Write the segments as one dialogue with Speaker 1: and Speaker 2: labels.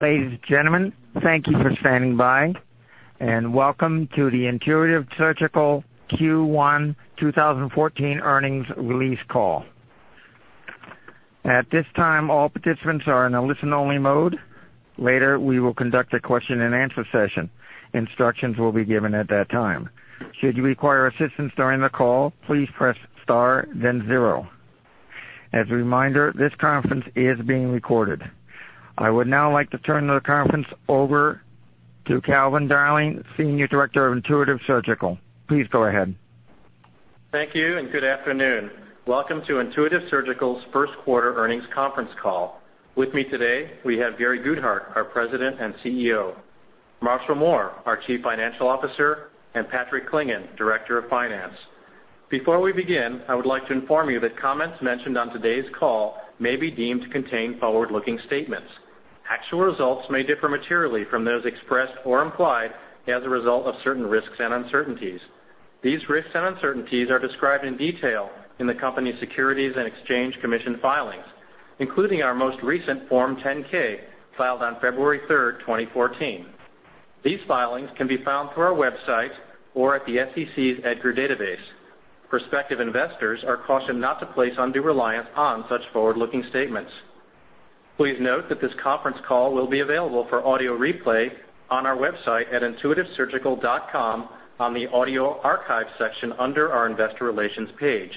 Speaker 1: Ladies and gentlemen, thank you for standing by, and welcome to the Intuitive Surgical Q1 2014 earnings release call. At this time, all participants are in a listen-only mode. Later, we will conduct a question-and-answer session. Instructions will be given at that time. Should you require assistance during the call, please press star then zero. As a reminder, this conference is being recorded. I would now like to turn the conference over to Calvin Darling, Senior Director of Intuitive Surgical. Please go ahead.
Speaker 2: Thank you and good afternoon. Welcome to Intuitive Surgical's first quarter earnings conference call. With me today, we have Gary Guthart, our President and CEO, Marshall Mohr, our Chief Financial Officer, and Patrick Clingan, Director of Finance. Before we begin, I would like to inform you that comments mentioned on today's call may be deemed to contain forward-looking statements. Actual results may differ materially from those expressed or implied as a result of certain risks and uncertainties. These risks and uncertainties are described in detail in the company's Securities and Exchange Commission filings, including our most recent Form 10-K, filed on February 3rd, 2014. These filings can be found through our website or at the SEC's EDGAR database. Prospective investors are cautioned not to place undue reliance on such forward-looking statements. Please note that this conference call will be available for audio replay on our website at intuitivesurgical.com on the Audio Archive section under our Investor Relations page.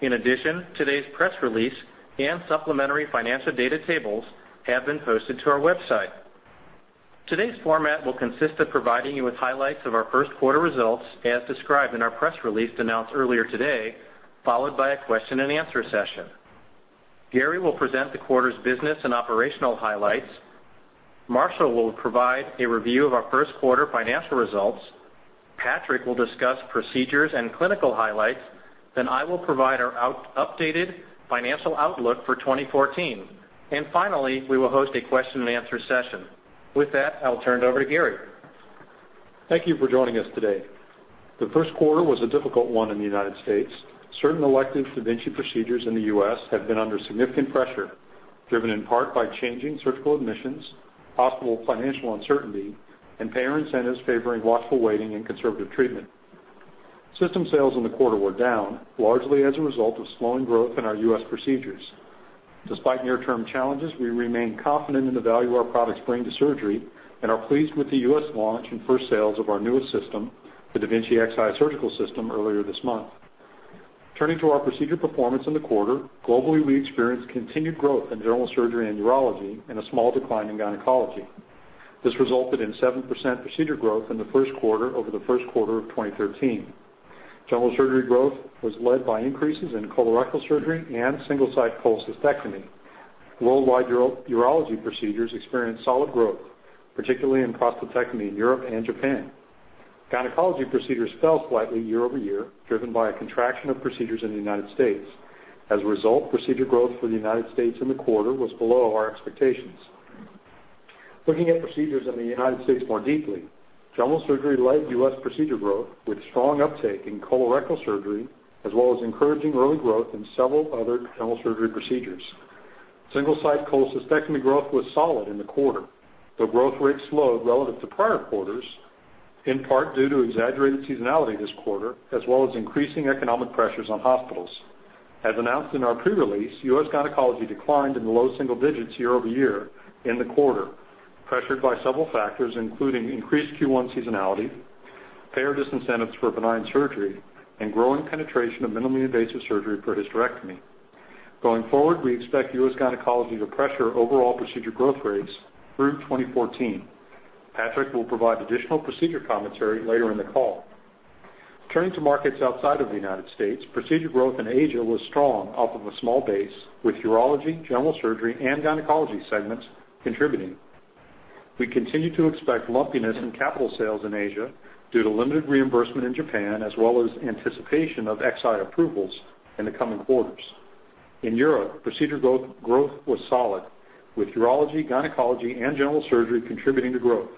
Speaker 2: In addition, today's press release and supplementary financial data tables have been posted to our website. Today's format will consist of providing you with highlights of our first quarter results, as described in our press release announced earlier today, followed by a question-and-answer session. Gary will present the quarter's business and operational highlights. Marshall will provide a review of our first quarter financial results. Patrick will discuss procedures and clinical highlights. I will provide our updated financial outlook for 2014. Finally, we will host a question-and-answer session. With that, I will turn it over to Gary.
Speaker 3: Thank you for joining us today. The first quarter was a difficult one in the United States. Certain elective da Vinci procedures in the U.S. have been under significant pressure, driven in part by changing surgical admissions, possible financial uncertainty, and payer incentives favoring watchful waiting and conservative treatment. System sales in the quarter were down, largely as a result of slowing growth in our U.S. procedures. Despite near-term challenges, we remain confident in the value our products bring to surgery and are pleased with the U.S. launch and first sales of our newest system, the da Vinci Xi Surgical System, earlier this month. Turning to our procedure performance in the quarter, globally, we experienced continued growth in general surgery and urology and a small decline in gynecology. This resulted in 7% procedure growth in the first quarter over the first quarter of 2013. General surgery growth was led by increases in colorectal surgery and Single-Site cholecystectomy. Worldwide urology procedures experienced solid growth, particularly in prostatectomy in Europe and Japan. Gynecology procedures fell slightly year-over-year, driven by a contraction of procedures in the U.S. As a result, procedure growth for the U.S. in the quarter was below our expectations. Looking at procedures in the U.S. more deeply, general surgery led U.S. procedure growth with strong uptake in colorectal surgery as well as encouraging early growth in several other general surgery procedures. Single-Site cholecystectomy growth was solid in the quarter, though growth rates slowed relative to prior quarters, in part due to exaggerated seasonality this quarter, as well as increasing economic pressures on hospitals. As announced in our pre-release, U.S. gynecology declined in the low single digits year-over-year in the quarter, pressured by several factors, including increased Q1 seasonality, payer disincentives for benign surgery, and growing penetration of minimally invasive surgery for hysterectomy. Going forward, we expect U.S. gynecology to pressure overall procedure growth rates through 2014. Patrick will provide additional procedure commentary later in the call. Turning to markets outside of the U.S., procedure growth in Asia was strong off of a small base, with urology, general surgery, and gynecology segments contributing. We continue to expect lumpiness in capital sales in Asia due to limited reimbursement in Japan, as well as anticipation of Xi approvals in the coming quarters. In Europe, procedure growth was solid, with urology, gynecology, and general surgery contributing to growth.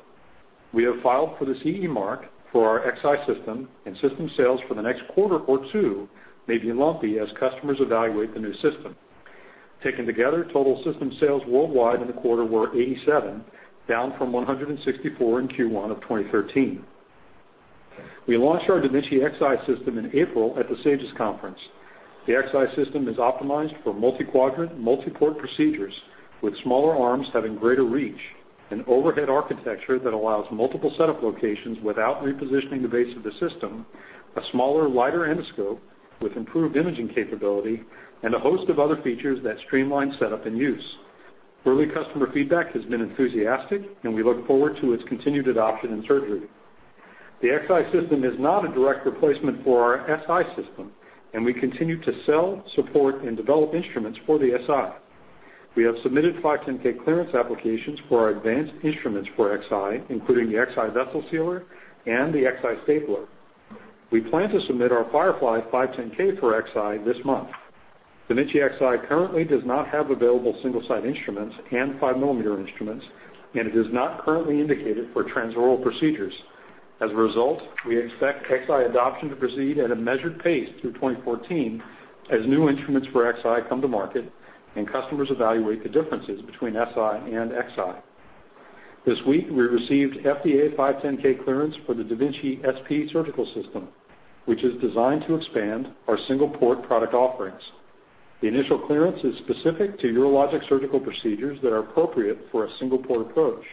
Speaker 3: We have filed for the CE mark for our Xi system, and system sales for the next quarter or two may be lumpy as customers evaluate the new system. Taken together, total system sales worldwide in the quarter were 87, down from 164 in Q1 of 2013. We launched our da Vinci Xi system in April at the SAGES conference. The Xi system is optimized for multi-quadrant, multi-port procedures with smaller arms having greater reach, an overhead architecture that allows multiple setup locations without repositioning the base of the system, a smaller, lighter endoscope with improved imaging capability, and a host of other features that streamline setup and use. Early customer feedback has been enthusiastic, and we look forward to its continued adoption in surgery. The Xi system is not a direct replacement for our Si system, and we continue to sell, support, and develop instruments for the Si. We have submitted 510(k) clearance applications for our advanced instruments for Xi, including the Xi Vessel Sealer and the Xi Stapler. We plan to submit our Firefly 510(k) for Xi this month. da Vinci Xi currently does not have available Single-Site instruments and five-millimeter instruments, and it is not currently indicated for transoral procedures. As a result, we expect Xi adoption to proceed at a measured pace through 2014 as new instruments for Xi come to market and customers evaluate the differences between Si and Xi. This week, we received FDA 510(k) clearance for the da Vinci SP Surgical System, which is designed to expand our single-port product offerings. The initial clearance is specific to urologic surgical procedures that are appropriate for a single-port approach.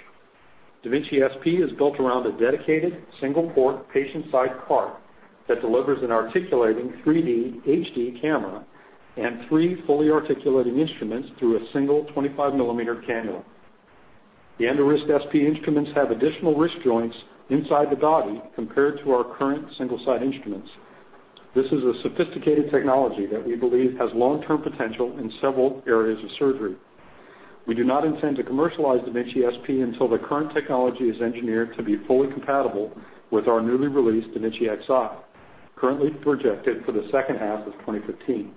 Speaker 3: da Vinci SP is built around a dedicated single-port patient-side cart that delivers an articulating 3D HD camera and three fully articulating instruments through a single 25-millimeter cannula. The EndoWrist SP instruments have additional wrist joints inside the body compared to our current Single-Site instruments. This is a sophisticated technology that we believe has long-term potential in several areas of surgery. We do not intend to commercialize da Vinci SP until the current technology is engineered to be fully compatible with our newly released da Vinci Xi, currently projected for the second half of 2015.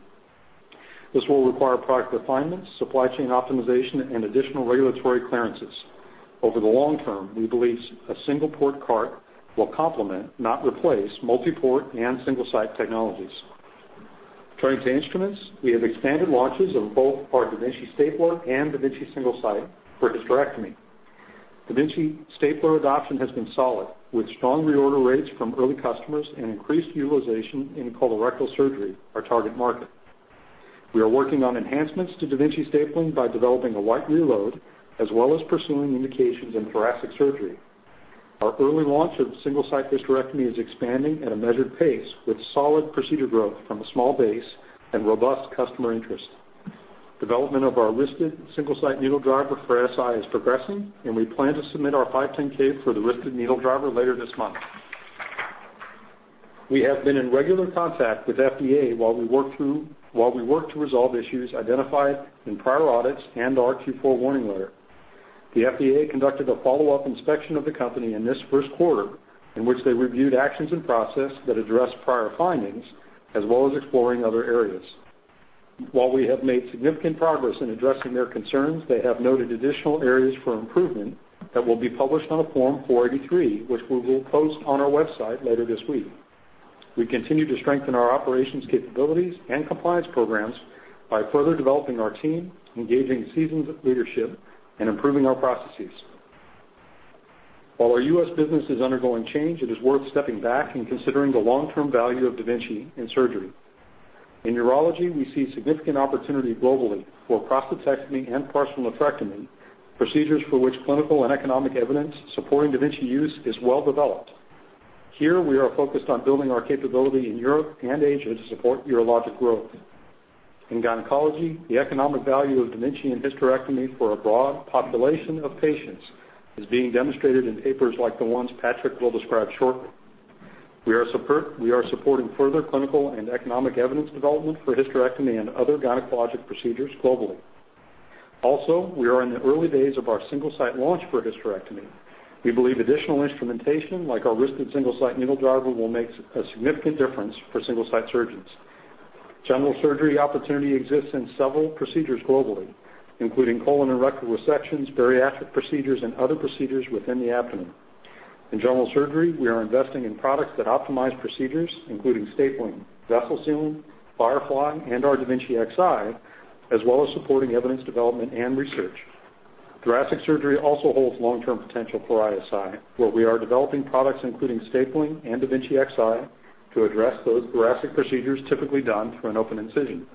Speaker 3: This will require product refinements, supply chain optimization, and additional regulatory clearances. Over the long term, we believe a single-port cart will complement, not replace, multi-port and Single-Site technologies. Turning to instruments, we have expanded launches of both our da Vinci Stapler and da Vinci Single-Site for hysterectomy. da Vinci Stapler adoption has been solid, with strong reorder rates from early customers and increased utilization in colorectal surgery, our target market. We are working on enhancements to da Vinci stapling by developing a light reload, as well as pursuing indications in thoracic surgery. Our early launch of Single-Site hysterectomy is expanding at a measured pace with solid procedure growth from a small base and robust customer interest. Development of our wristed Single-Site needle driver for Si is progressing, and we plan to submit our 510(k) for the wristed needle driver later this month. We have been in regular contact with FDA while we work to resolve issues identified in prior audits and our Q4 warning letter. The FDA conducted a follow-up inspection of the company in this first quarter in which they reviewed actions and process that addressed prior findings, as well as exploring other areas. While we have made significant progress in addressing their concerns, they have noted additional areas for improvement that will be published on a Form 483, which we will post on our website later this week. We continue to strengthen our operations capabilities and compliance programs by further developing our team, engaging seasoned leadership, and improving our processes. While our U.S. business is undergoing change, it is worth stepping back and considering the long-term value of da Vinci in surgery. In urology, we see significant opportunity globally for prostatectomy and partial nephrectomy, procedures for which clinical and economic evidence supporting da Vinci use is well-developed. Here, we are focused on building our capability in Europe and Asia to support urologic growth. In gynecology, the economic value of da Vinci in hysterectomy for a broad population of patients is being demonstrated in papers like the ones Patrick will describe shortly. We are supporting further clinical and economic evidence development for hysterectomy and other gynecologic procedures globally. Also, we are in the early days of our Single-Site launch for hysterectomy. We believe additional instrumentation, like our wristed Single-Site needle driver, will make a significant difference for Single-Site surgeons. General surgery opportunity exists in several procedures globally, including colon and rectal resections, bariatric procedures, and other procedures within the abdomen. In general surgery, we are investing in products that optimize procedures, including stapling, Vessel Sealing, Firefly, and our da Vinci Xi, as well as supporting evidence development and research. Thoracic surgery also holds long-term potential for ISI, where we are developing products including stapling and da Vinci Xi to address those thoracic procedures typically done through an open incision.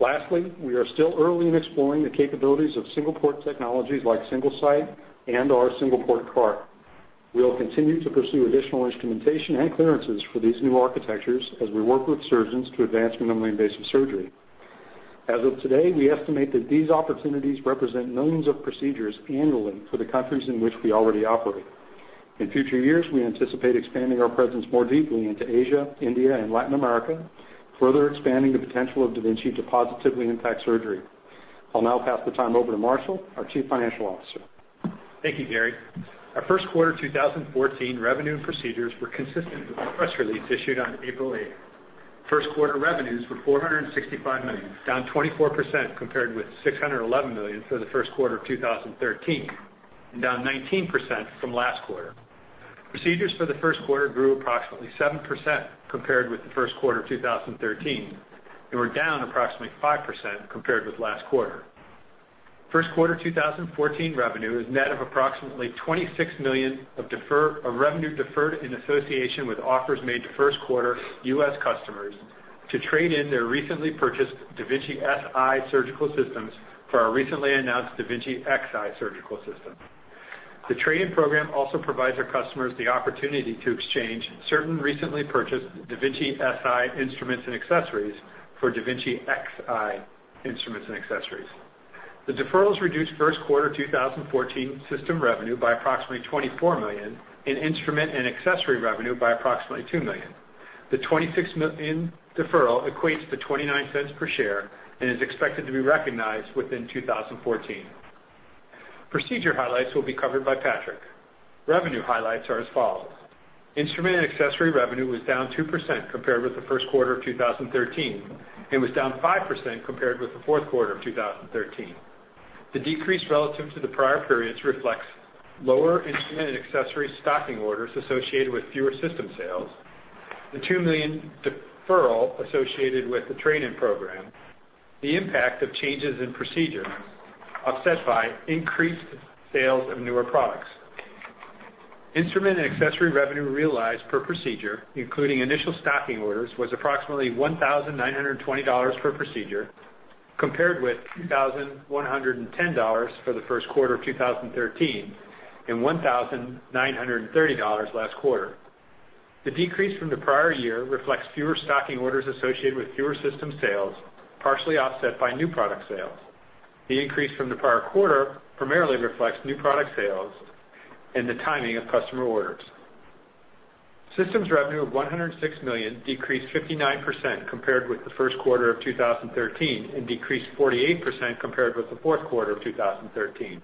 Speaker 3: Lastly, we are still early in exploring the capabilities of single-port technologies like Single-Site and our single-port cart. We will continue to pursue additional instrumentation and clearances for these new architectures as we work with surgeons to advance minimally invasive surgery. As of today, we estimate that these opportunities represent millions of procedures annually for the countries in which we already operate. In future years, we anticipate expanding our presence more deeply into Asia, India, and Latin America, further expanding the potential of da Vinci to positively impact surgery. I'll now pass the time over to Marshall, our Chief Financial Officer.
Speaker 4: Thank you, Gary. Our first quarter 2014 revenue and procedures were consistent with the press release issued on April 8th. First quarter revenues were $465 million, down 24% compared with $611 million for the first quarter of 2013, and down 19% from last quarter. Procedures for the first quarter grew approximately 7% compared with the first quarter of 2013 and were down approximately 5% compared with last quarter. First quarter 2014 revenue is net of approximately $26 million of revenue deferred in association with offers made to first-quarter U.S. customers to trade in their recently purchased da Vinci Si surgical systems for our recently announced da Vinci Xi surgical system. The trade-in program also provides our customers the opportunity to exchange certain recently purchased da Vinci Si instruments and accessories for da Vinci Xi instruments and accessories. The deferrals reduced first-quarter 2014 system revenue by approximately $24 million and instrument and accessory revenue by approximately $2 million. The $26 million deferral equates to $0.29 per share and is expected to be recognized within 2014. Procedure highlights will be covered by Patrick. Revenue highlights are as follows. Instrument and accessory revenue was down 2% compared with the first quarter of 2013, and was down 5% compared with the fourth quarter of 2013. The decrease relative to the prior periods reflects lower instrument and accessory stocking orders associated with fewer system sales, the $2 million deferral associated with the trade-in program, the impact of changes in procedures, offset by increased sales of newer products. Instrument and accessory revenue realized per procedure, including initial stocking orders, was approximately $1,920 per procedure, compared with $2,110 for the first quarter of 2013, and $1,930 last quarter. The decrease from the prior year reflects fewer stocking orders associated with fewer system sales, partially offset by new product sales. The increase from the prior quarter primarily reflects new product sales and the timing of customer orders. Systems revenue of $106 million decreased 59% compared with the first quarter of 2013, and decreased 48% compared with the fourth quarter of 2013.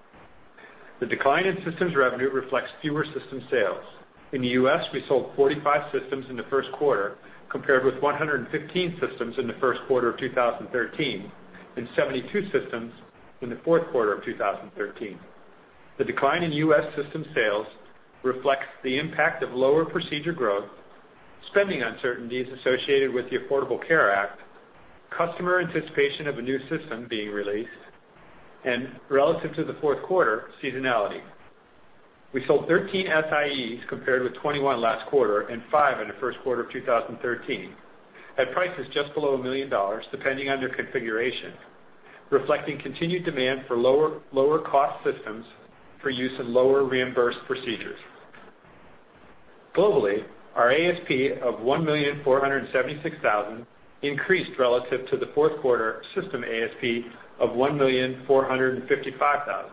Speaker 4: The decline in systems revenue reflects fewer system sales. In the U.S., we sold 45 systems in the first quarter, compared with 115 systems in the first quarter of 2013, and 72 systems in the fourth quarter of 2013. The decline in U.S. system sales reflects the impact of lower procedure growth, spending uncertainties associated with the Affordable Care Act, customer anticipation of a new system being released, and relative to the fourth quarter, seasonality. We sold 13 SIEs compared with 21 last quarter, and five in the first quarter of 2013, at prices just below $1 million, depending on their configuration, reflecting continued demand for lower cost systems for use in lower reimbursed procedures. Globally, our ASP of $1,476,000 increased relative to the fourth quarter system ASP of $1,455,000.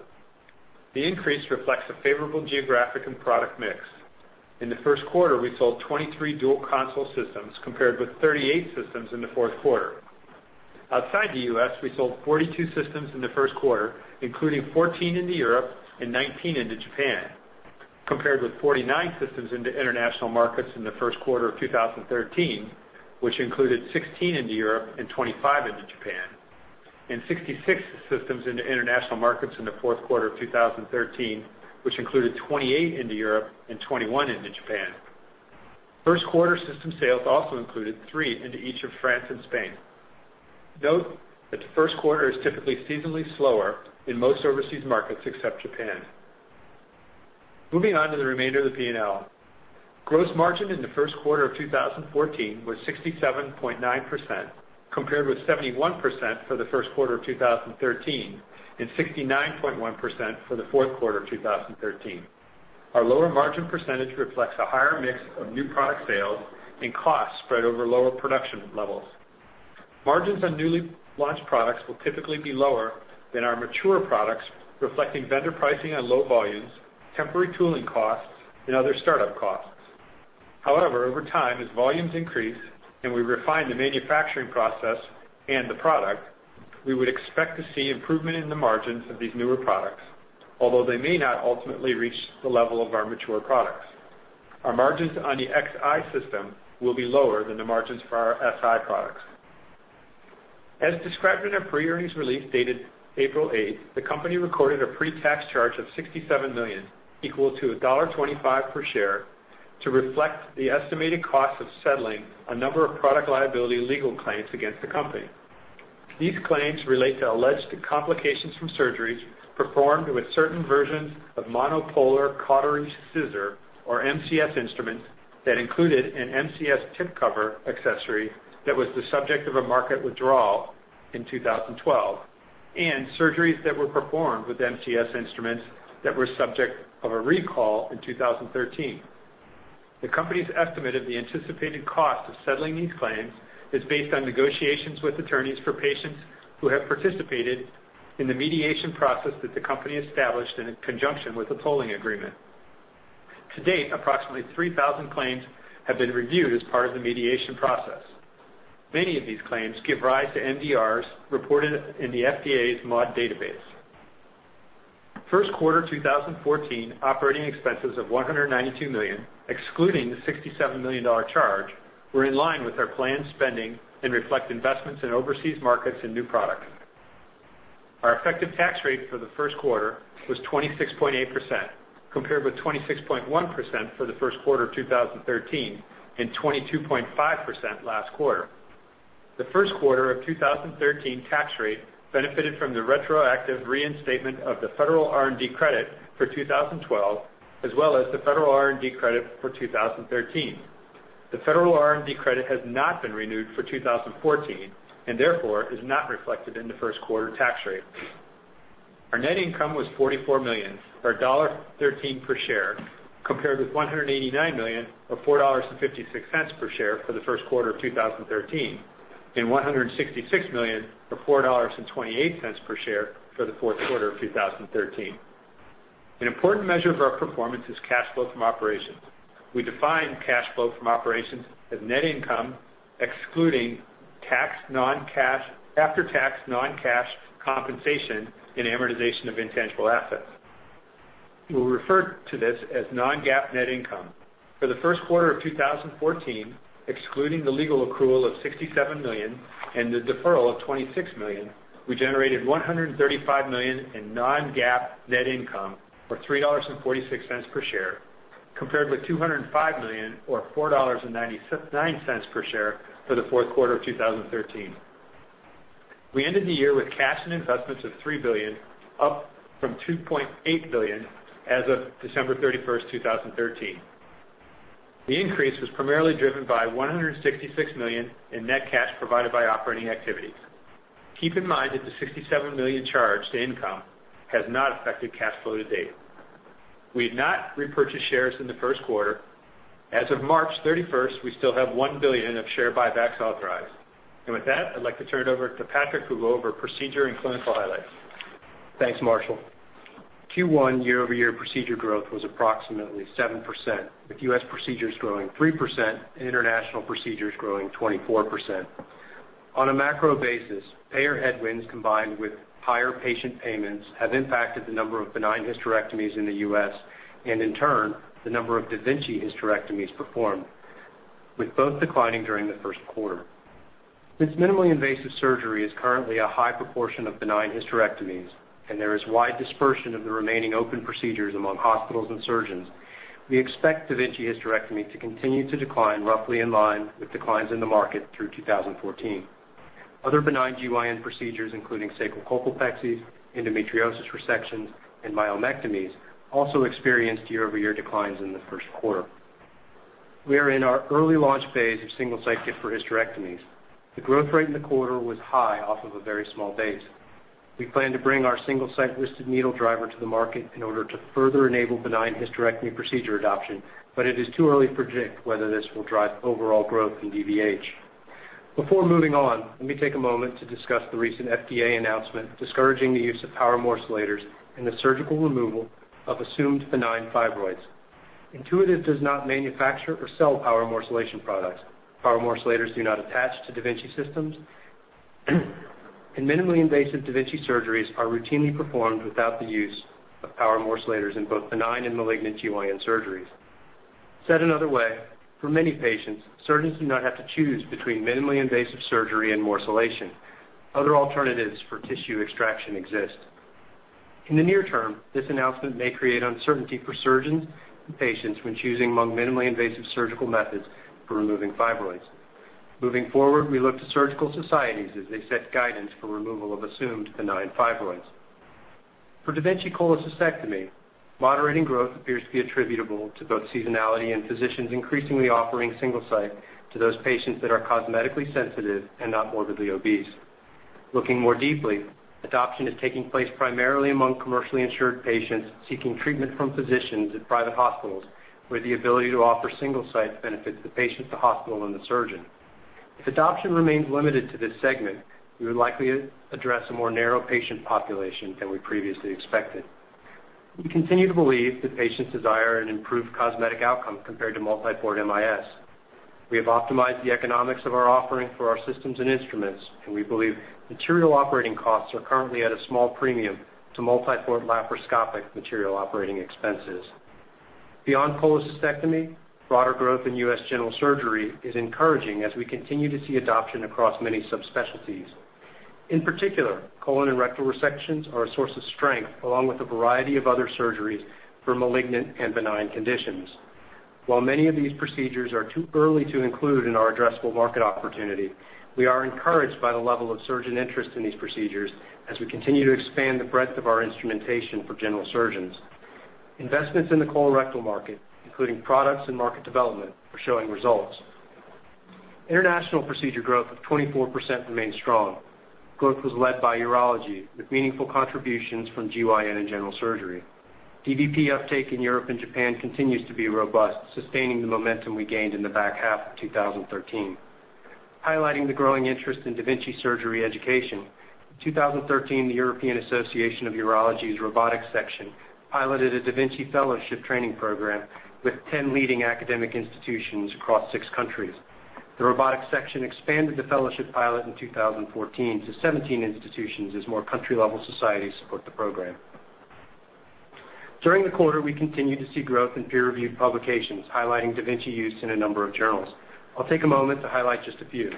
Speaker 4: The increase reflects a favorable geographic and product mix. In the first quarter, we sold 23 dual console systems compared with 38 systems in the fourth quarter. Outside the U.S., we sold 42 systems in the first quarter, including 14 into Europe and 19 into Japan, compared with 49 systems into international markets in the first quarter of 2013, which included 16 into Europe and 25 into Japan, and 66 systems into international markets in the fourth quarter of 2013, which included 28 into Europe and 21 into Japan. First quarter system sales also included three into each of France and Spain. Note that the first quarter is typically seasonally slower in most overseas markets, except Japan. Moving on to the remainder of the P&L. Gross margin in the first quarter of 2014 was 67.9%, compared with 71% for the first quarter of 2013, and 69.1% for the fourth quarter of 2013. Our lower margin percentage reflects a higher mix of new product sales and costs spread over lower production levels. Margins on newly launched products will typically be lower than our mature products, reflecting vendor pricing on low volumes, temporary tooling costs, and other startup costs. However, over time, as volumes increase and we refine the manufacturing process and the product, we would expect to see improvement in the margins of these newer products, although they may not ultimately reach the level of our mature products. Our margins on the Xi system will be lower than the margins for our Si products. As described in our pre-earnings release dated April 8th, the company recorded a pre-tax charge of $67 million, equal to $1.25 per share, to reflect the estimated cost of settling a number of product liability legal claims against the company. These claims relate to alleged complications from surgeries performed with certain versions of Monopolar Curved Scissors, or MCS instruments, that included an MCS tip cover accessory that was the subject of a market withdrawal in 2012, and surgeries that were performed with MCS instruments that were subject of a recall in 2013. The company's estimate of the anticipated cost of settling these claims is based on negotiations with attorneys for patients who have participated in the mediation process that the company established in conjunction with the polling agreement. To date, approximately 3,000 claims have been reviewed as part of the mediation process. Many of these claims give rise to MDRs reported in the FDA's MAUDE database. First quarter 2014 operating expenses of $192 million, excluding the $67 million charge, were in line with our planned spending and reflect investments in overseas markets and new products. Our effective tax rate for the first quarter was 26.8%, compared with 26.1% for the first quarter of 2013, and 22.5% last quarter. The first quarter of 2013 tax rate benefited from the retroactive reinstatement of the federal R&D credit for 2012, as well as the federal R&D credit for 2013. The federal R&D credit has not been renewed for 2014, and therefore, is not reflected in the first quarter tax rate. Our net income was $44 million, or $1.13 per share, compared with $189 million, or $4.56 per share for the first quarter of 2013, and $166 million, or $4.28 per share for the fourth quarter of 2013. An important measure of our performance is cash flow from operations. We define cash flow from operations as net income, excluding tax non-cash, after-tax non-cash compensation and amortization of intangible assets. We'll refer to this as non-GAAP net income. For the first quarter of 2014, excluding the legal accrual of $67 million and the deferral of $26 million, we generated $135 million in non-GAAP net income, or $3.46 per share, compared with $205 million or $4.99 per share for the fourth quarter of 2013. We ended the year with cash and investments of $3 billion, up from $2.8 billion as of December 31st, 2013. The increase was primarily driven by $166 million in net cash provided by operating activities. Keep in mind that the $67 million charge to income has not affected cash flow to date. We have not repurchased shares in the first quarter. As of March 31st, we still have $1 billion of share buybacks authorized. With that, I'd like to turn it over to Patrick, who will go over procedure and clinical highlights.
Speaker 5: Thanks, Marshall. Q1 year-over-year procedure growth was approximately 7%, with U.S. procedures growing 3% and international procedures growing 24%. On a macro basis, payer headwinds combined with higher patient payments have impacted the number of benign hysterectomies in the U.S., and in turn, the number of da Vinci hysterectomies performed, with both declining during the first quarter. Since minimally invasive surgery is currently a high proportion of benign hysterectomies and there is wide dispersion of the remaining open procedures among hospitals and surgeons, we expect da Vinci hysterectomy to continue to decline roughly in line with declines in the market through 2014. Other benign GYN procedures, including sacrocolpopexies, endometriosis resections, and myomectomies, also experienced year-over-year declines in the first quarter. We are in our early launch phase of Single-Site kit for hysterectomies. The growth rate in the quarter was high off of a very small base. We plan to bring our Single-Site Wristed Needle Driver to the market in order to further enable benign hysterectomy procedure adoption, but it is too early to predict whether this will drive overall growth in DVH. Before moving on, let me take a moment to discuss the recent FDA announcement discouraging the use of power morcellators in the surgical removal of assumed benign fibroids. Intuitive does not manufacture or sell power morcellation products. Power morcellators do not attach to da Vinci systems. Minimally invasive da Vinci surgeries are routinely performed without the use of power morcellators in both benign and malignant GYN surgeries. Said another way, for many patients, surgeons do not have to choose between minimally invasive surgery and morcellation. Other alternatives for tissue extraction exist. In the near term, this announcement may create uncertainty for surgeons and patients when choosing among minimally invasive surgical methods for removing fibroids. Moving forward, we look to surgical societies as they set guidance for removal of assumed benign fibroids. For da Vinci cholecystectomy, moderating growth appears to be attributable to both seasonality and physicians increasingly offering Single-Site to those patients that are cosmetically sensitive and not morbidly obese. Looking more deeply, adoption is taking place primarily among commercially insured patients seeking treatment from physicians at private hospitals with the ability to offer Single-Site benefits to patients, the hospital, and the surgeon. If adoption remains limited to this segment, we would likely address a more narrow patient population than we previously expected. We continue to believe that patients desire an improved cosmetic outcome compared to multi-port MIS. We have optimized the economics of our offering for our systems and instruments. We believe material operating costs are currently at a small premium to multi-port laparoscopic material operating expenses. Beyond cholecystectomy, broader growth in U.S. general surgery is encouraging as we continue to see adoption across many subspecialties. In particular, colon and rectal resections are a source of strength, along with a variety of other surgeries for malignant and benign conditions. While many of these procedures are too early to include in our addressable market opportunity, we are encouraged by the level of surgeon interest in these procedures as we continue to expand the breadth of our instrumentation for general surgeons. Investments in the colorectal market, including products and market development, are showing results. International procedure growth of 24% remains strong. Growth was led by urology with meaningful contributions from GYN and general surgery. DVP uptake in Europe and Japan continues to be robust, sustaining the momentum we gained in the back half of 2013. Highlighting the growing interest in da Vinci surgery education, in 2013, the European Association of Urology's robotic section piloted a da Vinci fellowship training program with 10 leading academic institutions across six countries. The robotic section expanded the fellowship pilot in 2014 to 17 institutions as more country-level societies support the program. During the quarter, we continued to see growth in peer-reviewed publications highlighting da Vinci use in a number of journals. I will take a moment to highlight just a few.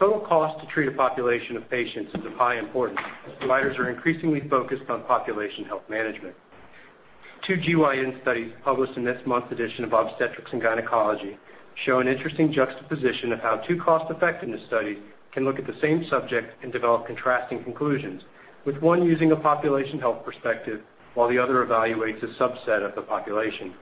Speaker 5: Total cost to treat a population of patients is of high importance as providers are increasingly focused on population health management. Two GYN studies published in this month's edition of Obstetrics & Gynecology show an interesting juxtaposition of how two cost-effectiveness studies can look at the same subject and develop contrasting conclusions, with one using a population health perspective while the other evaluates a subset of the population.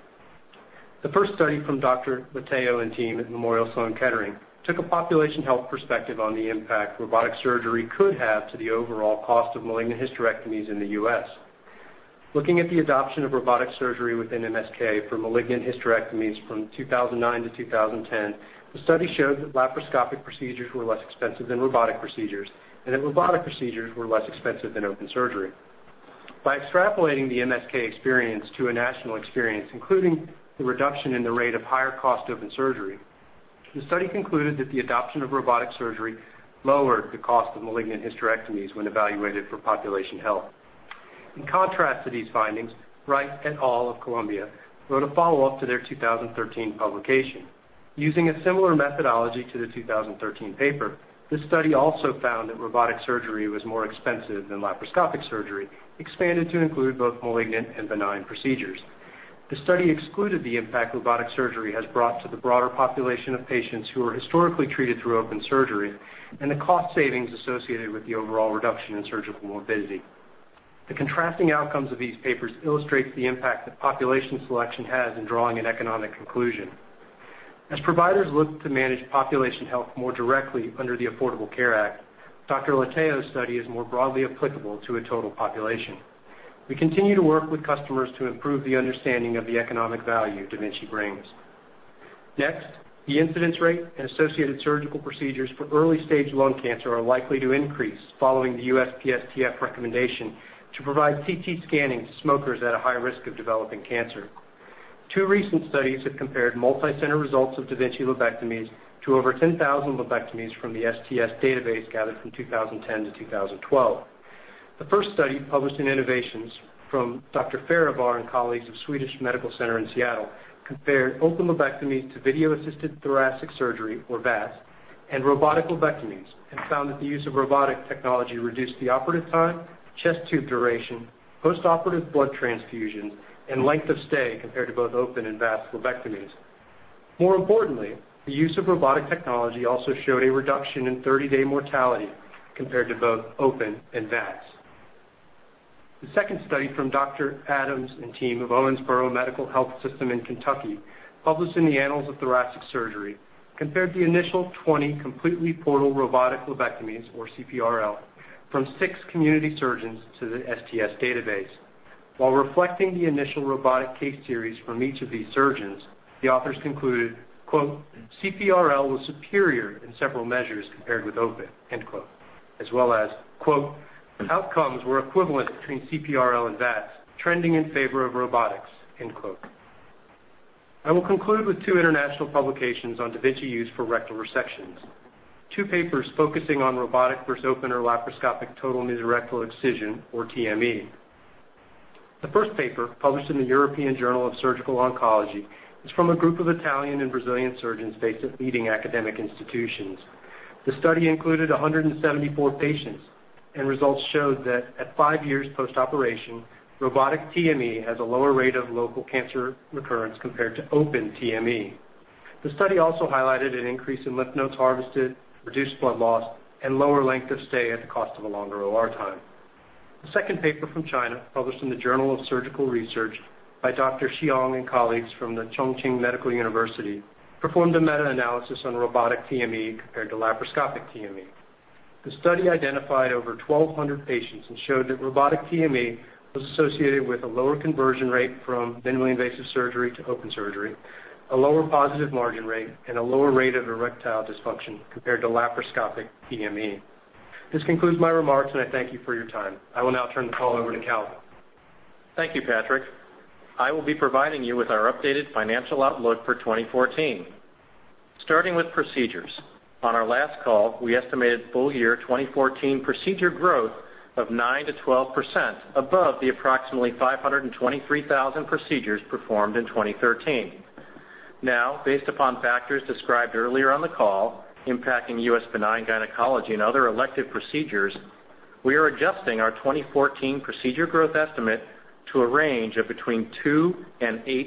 Speaker 5: The first study from Dr. DeMatteo and team at Memorial Sloan Kettering took a population health perspective on the impact robotic surgery could have to the overall cost of malignant hysterectomies in the U.S. Looking at the adoption of robotic surgery within MSK for malignant hysterectomies from 2009 to 2010, the study showed that laparoscopic procedures were less expensive than robotic procedures and that robotic procedures were less expensive than open surgery. By extrapolating the MSK experience to a national experience, including the reduction in the rate of higher cost open surgery, the study concluded that the adoption of robotic surgery lowered the cost of malignant hysterectomies when evaluated for population health. In contrast to these findings, Wright et al. of Columbia University wrote a follow-up to their 2013 publication. Using a similar methodology to the 2013 paper, this study also found that robotic surgery was more expensive than laparoscopic surgery, expanded to include both malignant and benign procedures. The study excluded the impact robotic surgery has brought to the broader population of patients who were historically treated through open surgery, and the cost savings associated with the overall reduction in surgical morbidity. The contrasting outcomes of these papers illustrates the impact that population selection has in drawing an economic conclusion. As providers look to manage population health more directly under the Affordable Care Act, Dr. Lattouf's study is more broadly applicable to a total population. We continue to work with customers to improve the understanding of the economic value da Vinci brings. The incidence rate and associated surgical procedures for early-stage lung cancer are likely to increase following the U.S. Preventive Services Task Force recommendation to provide CT scanning to smokers at a high risk of developing cancer. Two recent studies have compared multi-center results of da Vinci lobectomies to over 10,000 lobectomies from the STS database gathered from 2010 to 2012. The first study, published in Innovations from Dr. Farivar and colleagues of Swedish Medical Center in Seattle, compared open lobectomy to video-assisted thoracic surgery, or VATS, and robotic lobectomies, and found that the use of robotic technology reduced the operative time, chest tube duration, postoperative blood transfusions, and length of stay compared to both open and VATS lobectomies. Importantly, the use of robotic technology also showed a reduction in 30-day mortality compared to both open and VATS. The second study from Dr. Adams and team of Owensboro Health in Kentucky, published in The Annals of Thoracic Surgery, compared the initial 20 completely portal robotic lobectomies, or CPRL, from six community surgeons to the STS database. While reflecting the initial robotic case series from each of these surgeons, the authors concluded, quote, "CPRL was superior in several measures compared with open," end quote, as well as, quote, "Outcomes were equivalent between CPRL and VATS, trending in favor of robotics," end quote. I will conclude with two international publications on da Vinci use for rectal resections. Two papers focusing on robotic versus open or laparoscopic total mesorectal excision, or TME. The first paper, published in the European Journal of Surgical Oncology, is from a group of Italian and Brazilian surgeons based at leading academic institutions. The study included 174 patients, and results showed that at five years post-operation, robotic TME has a lower rate of local cancer recurrence compared to open TME. The study also highlighted an increase in lymph nodes harvested, reduced blood loss, and lower length of stay at the cost of a longer OR time. The second paper from China, published in the Journal of Surgical Research by Dr. Xiang and colleagues from the Chongqing Medical University, performed a meta-analysis on robotic TME compared to laparoscopic TME. The study identified over 1,200 patients and showed that robotic TME was associated with a lower conversion rate from minimally invasive surgery to open surgery, a lower positive margin rate, and a lower rate of erectile dysfunction compared to laparoscopic TME. This concludes my remarks. I thank you for your time. I will now turn the call over to Calvin.
Speaker 2: Thank you, Patrick. I will be providing you with our updated financial outlook for 2014. Starting with procedures, on our last call, we estimated full year 2014 procedure growth of 9%-12% above the approximately 523,000 procedures performed in 2013. Based upon factors described earlier on the call impacting U.S. benign gynecology and other elective procedures, we are adjusting our 2014 procedure growth estimate to a range of between 2% and 8%.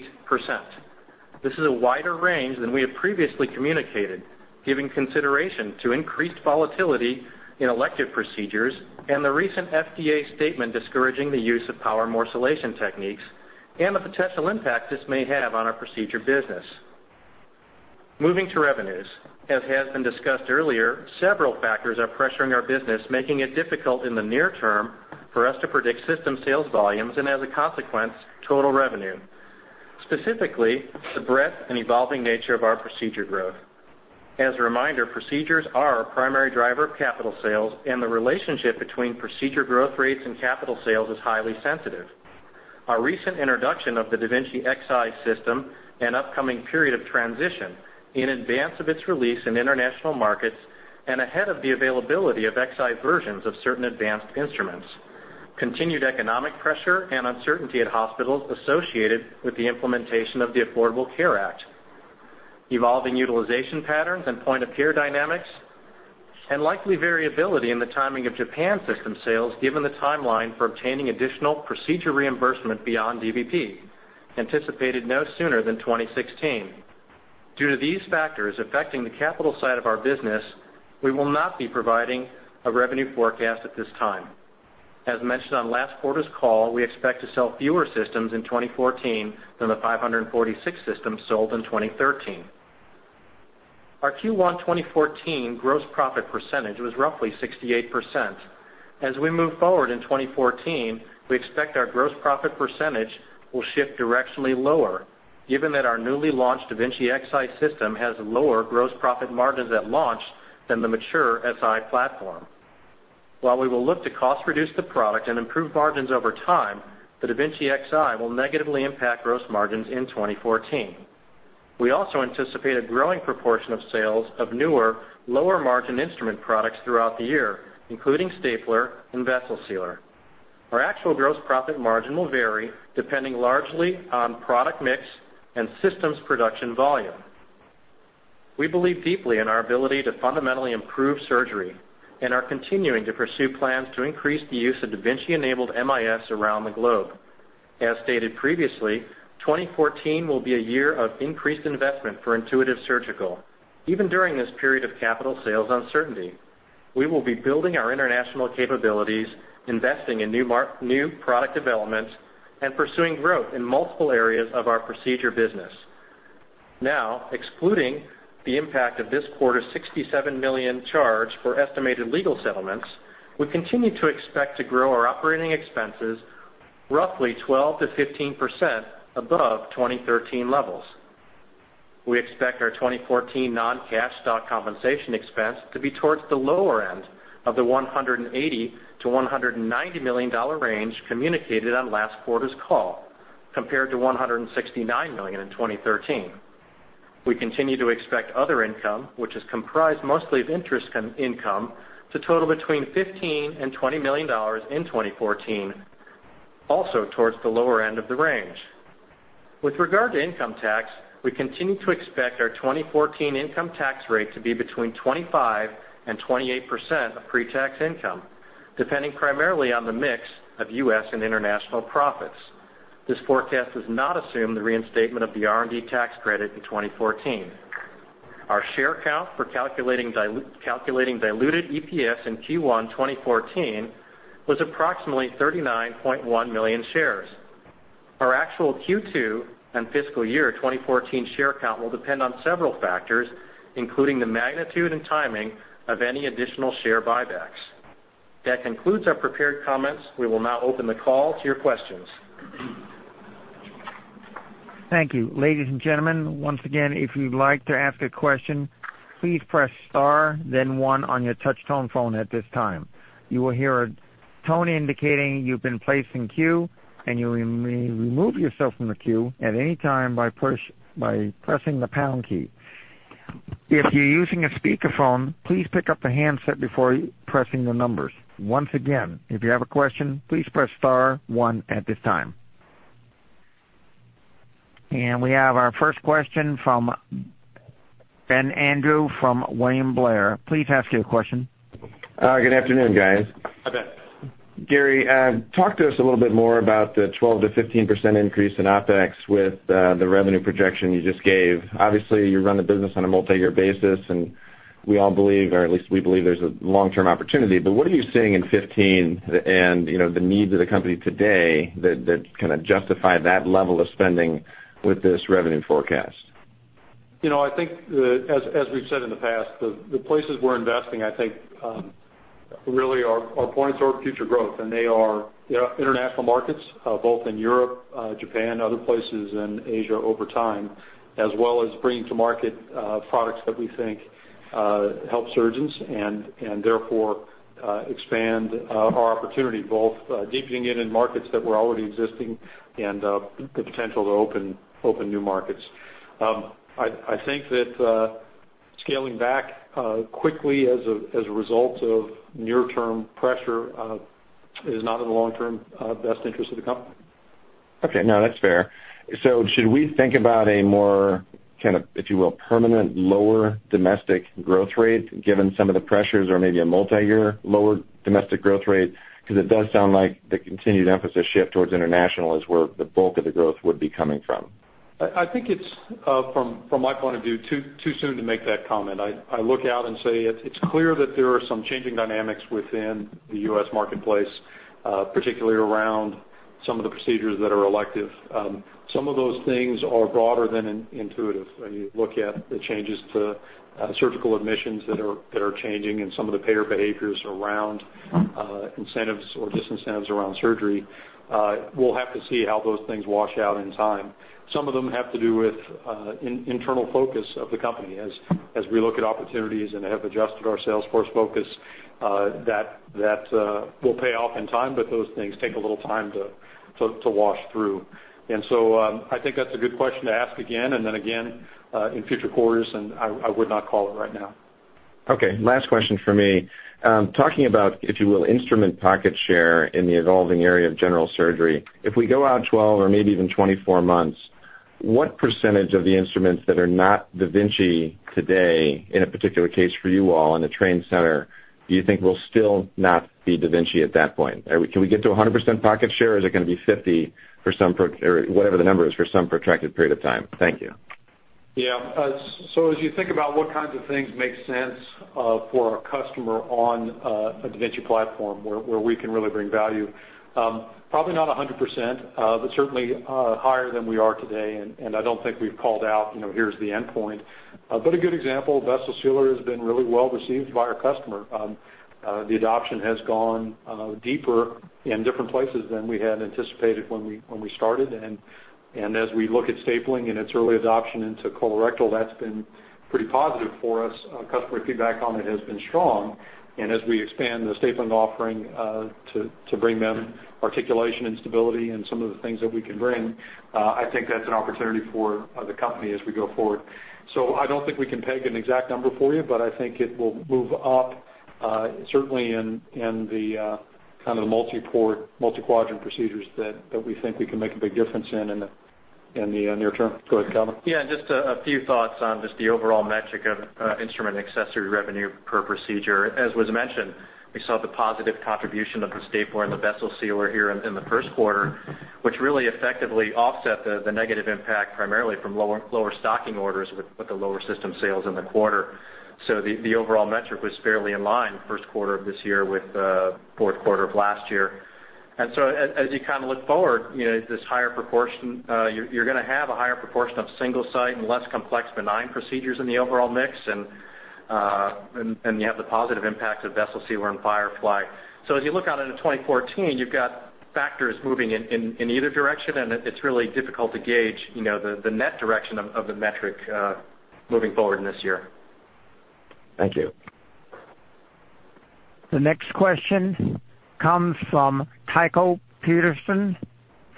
Speaker 2: This is a wider range than we had previously communicated, giving consideration to increased volatility in elective procedures and the recent FDA statement discouraging the use of power morcellation techniques, and the potential impact this may have on our procedure business. Moving to revenues. As has been discussed earlier, several factors are pressuring our business, making it difficult in the near term for us to predict system sales volumes and, as a consequence, total revenue. Specifically, the breadth and evolving nature of our procedure growth. As a reminder, procedures are our primary driver of capital sales and the relationship between procedure growth rates and capital sales is highly sensitive. Our recent introduction of the da Vinci Xi system and upcoming period of transition in advance of its release in international markets and ahead of the availability of Xi versions of certain advanced instruments. Continued economic pressure and uncertainty at hospitals associated with the implementation of the Affordable Care Act. Evolving utilization patterns and point-of-care dynamics. Likely variability in the timing of Japan system sales given the timeline for obtaining additional procedure reimbursement beyond DVP, anticipated no sooner than 2016. Due to these factors affecting the capital side of our business, we will not be providing a revenue forecast at this time. As mentioned on last quarter's call, we expect to sell fewer systems in 2014 than the 546 systems sold in 2013. Our Q1 2014 gross profit percentage was roughly 68%. As we move forward in 2014, we expect our gross profit percentage will shift directionally lower given that our newly launched da Vinci Xi system has lower gross profit margins at launch than the mature Si platform. While we will look to cost reduce the product and improve margins over time, the da Vinci Xi will negatively impact gross margins in 2014. We also anticipate a growing proportion of sales of newer, lower margin instrument products throughout the year, including stapler and Vessel Sealer. Our actual gross profit margin will vary depending largely on product mix and systems production volume. We believe deeply in our ability to fundamentally improve surgery and are continuing to pursue plans to increase the use of da Vinci-enabled MIS around the globe. As stated previously, 2014 will be a year of increased investment for Intuitive Surgical. Even during this period of capital sales uncertainty, we will be building our international capabilities, investing in new product developments, and pursuing growth in multiple areas of our procedure business. Excluding the impact of this quarter's $67 million charge for estimated legal settlements, we continue to expect to grow our operating expenses roughly 12%-15% above 2013 levels. We expect our 2014 non-cash stock compensation expense to be towards the lower end of the $180 million to $190 million range communicated on last quarter's call, compared to $169 million in 2013. We continue to expect other income, which is comprised mostly of interest income, to total between $15 million and $20 million in 2014, also towards the lower end of the range. With regard to income tax, we continue to expect our 2014 income tax rate to be between 25% and 28% of pre-tax income, depending primarily on the mix of U.S. and international profits. This forecast does not assume the reinstatement of the R&D tax credit in 2014. Our share count for calculating diluted EPS in Q1 2014 was approximately 39.1 million shares. Our actual Q2 and fiscal year 2014 share count will depend on several factors, including the magnitude and timing of any additional share buybacks. That concludes our prepared comments. We will now open the call to your questions.
Speaker 1: Thank you. Ladies and gentlemen, once again, if you'd like to ask a question, please press star then one on your touch tone phone at this time. You will hear a tone indicating you've been placed in queue, and you may remove yourself from the queue at any time by pressing the pound key. If you're using a speakerphone, please pick up the handset before pressing the numbers. Once again, if you have a question, please press star one at this time. We have our first question from Benjamin Andrew from William Blair. Please ask your question.
Speaker 6: Good afternoon, guys.
Speaker 2: Hi, Ben.
Speaker 6: Gary, talk to us a little bit more about the 12%-15% increase in OpEx with the revenue projection you just gave. Obviously, you run the business on a multi-year basis, and we all believe, or at least we believe there's a long-term opportunity. What are you seeing in 2015 and the needs of the company today that kind of justify that level of spending with this revenue forecast?
Speaker 2: I think as we've said in the past, the places we're investing, I think, really are points toward future growth. They are international markets both in Europe, Japan, other places, and Asia over time, as well as bringing to market products that we think help surgeons and therefore expand our opportunity, both deepening it in markets that were already existing and the potential to open new markets. I think that scaling back quickly as a result of near-term pressure is not in the long-term best interest of the company.
Speaker 6: Okay. No, that's fair. Should we think about a more, if you will, permanent lower domestic growth rate given some of the pressures or maybe a multi-year lower domestic growth rate? It does sound like the continued emphasis shift towards international is where the bulk of the growth would be coming from.
Speaker 2: I think it's, from my point of view, too soon to make that comment. I look out and say it's clear that there are some changing dynamics within the U.S. marketplace, particularly around some of the procedures that are elective. Some of those things are broader than Intuitive when you look at the changes to surgical admissions that are changing and some of the payer behaviors around incentives or disincentives around surgery. We'll have to see how those things wash out in time. Some of them have to do with internal focus of the company as we look at opportunities and have adjusted our sales force focus. That will pay off in time, but those things take a little time to wash through. I think that's a good question to ask again and then again in future quarters, and I would not call it right now.
Speaker 6: Okay. Last question from me. Talking about, if you will, instrument pocket share in the evolving area of general surgery, if we go out 12 or maybe even 24 months, what percentage of the instruments that are not da Vinci today in a particular case for you all in the training center do you think will still not be da Vinci at that point? Can we get to 100% pocket share, or is it going to be 50% or whatever the number is for some protracted period of time? Thank you.
Speaker 3: Yeah. As you think about what kinds of things make sense for a customer on a da Vinci platform where we can really bring value, probably not 100%, but certainly higher than we are today. I don't think we've called out, here's the endpoint. A good example, Vessel Sealer has been really well received by our customer. The adoption has gone deeper in different places than we had anticipated when we started. As we look at stapling and its early adoption into colorectal, that's been pretty positive for us. Customer feedback on it has been strong. As we expand the stapling offering to bring them articulation and stability and some of the things that we can bring, I think that's an opportunity for the company as we go forward. I don't think we can peg an exact number for you, but I think it will move up, certainly in the multi-port, multi-quadrant procedures that we think we can make a big difference in the near term. Go ahead, Calvin.
Speaker 2: Just a few thoughts on just the overall metric of instrument accessory revenue per procedure. As was mentioned, we saw the positive contribution of the stapler and the Vessel Sealer here in the first quarter, which really effectively offset the negative impact primarily from lower stocking orders with the lower system sales in the quarter. The overall metric was fairly in line first quarter of this year with fourth quarter of last year. As you look forward, you're going to have a higher proportion of single-site and less complex benign procedures in the overall mix, and you have the positive impact of Vessel Sealer and Firefly. As you look out into 2014, you've got factors moving in either direction, and it's really difficult to gauge the net direction of the metric moving forward in this year.
Speaker 6: Thank you.
Speaker 1: The next question comes from Tycho Peterson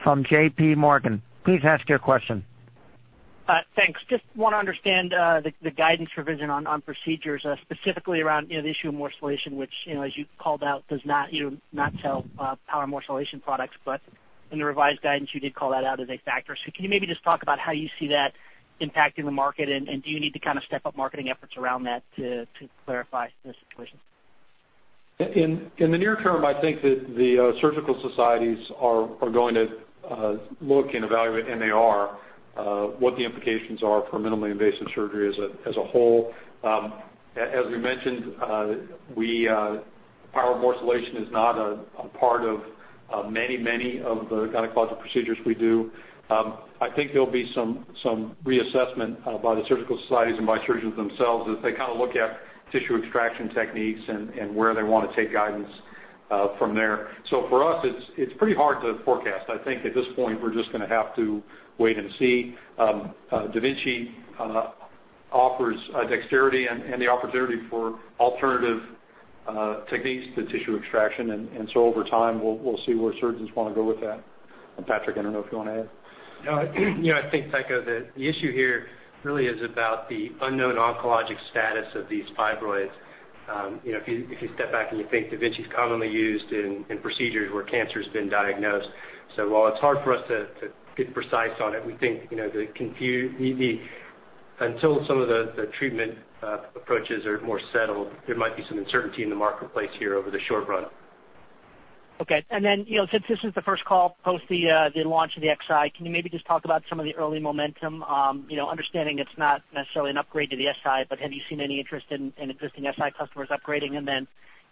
Speaker 1: from J.P. Morgan. Please ask your question.
Speaker 7: Thanks. Just want to understand the guidance revision on procedures, specifically around the issue of morcellation, which, as you called out, does not sell power morcellation products. In the revised guidance, you did call that out as a factor. Can you maybe just talk about how you see that impacting the market, and do you need to step up marketing efforts around that to clarify the situation?
Speaker 3: In the near term, I think that the surgical societies are going to look and evaluate NAR, what the implications are for minimally invasive surgery as a whole. As we mentioned, power morcellation is not a part of many of the gynecologic procedures we do. I think there will be some reassessment by the surgical societies and by surgeons themselves as they look at tissue extraction techniques and where they want to take guidance from there. For us, it's pretty hard to forecast. I think at this point, we're just going to have to wait and see. da Vinci offers dexterity and the opportunity for alternative techniques to tissue extraction. Over time, we'll see where surgeons want to go with that. Patrick, I don't know if you want to add.
Speaker 5: No, I think, Tycho, the issue here really is about the unknown oncologic status of these fibroids. If you step back and you think, da Vinci's commonly used in procedures where cancer's been diagnosed. While it's hard for us to get precise on it, we think until some of the treatment approaches are more settled, there might be some uncertainty in the marketplace here over the short run.
Speaker 7: Okay. Since this is the first call post the launch of the Xi, can you maybe just talk about some of the early momentum, understanding it's not necessarily an upgrade to the Si, but have you seen any interest in existing Si customers upgrading?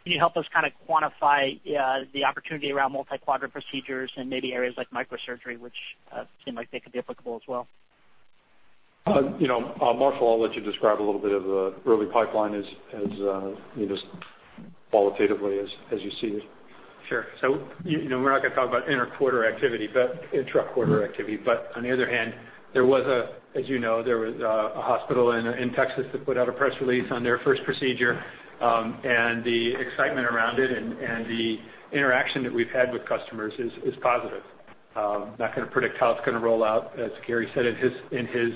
Speaker 7: Can you help us kind of quantify the opportunity around multi-quadrant procedures and maybe areas like microsurgery, which seem like they could be applicable as well?
Speaker 3: Marshall, I'll let you describe a little bit of the early pipeline as qualitatively as you see it.
Speaker 4: Sure. We're not going to talk about intra-quarter activity. On the other hand, as you know, there was a hospital in Texas that put out a press release on their first procedure. The excitement around it and the interaction that we've had with customers is positive. Not going to predict how it's going to roll out. As Gary said in his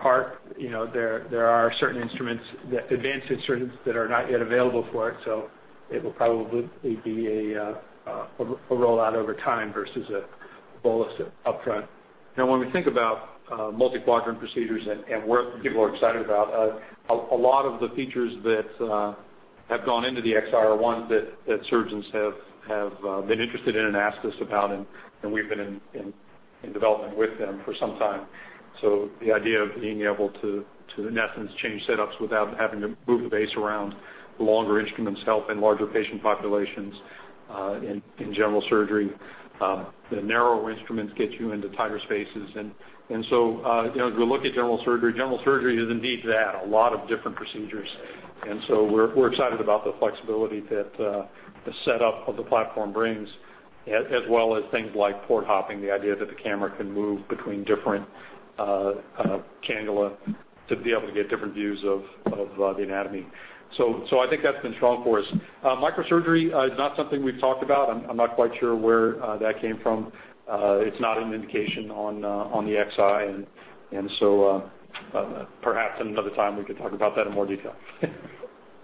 Speaker 4: part, there are certain advanced instruments that are not yet available for it. It will probably be a rollout over time versus a bolus up front.
Speaker 3: When we think about multi-quadrant procedures and what people are excited about, a lot of the features that have gone into the Xi that surgeons have been interested in and asked us about, and we've been in development with them for some time. The idea of being able to in essence change setups without having to move the base around, the longer instruments help in larger patient populations in general surgery. The narrower instruments get you into tighter spaces. As we look at general surgery, general surgery is indeed that, a lot of different procedures. We're excited about the flexibility that the setup of the platform brings, as well as things like port hopping, the idea that the camera can move between different cannula to be able to get different views of the anatomy. I think that's been strong for us. Microsurgery is not something we've talked about. I'm not quite sure where that came from. It's not an indication on the Xi, perhaps at another time we could talk about that in more detail.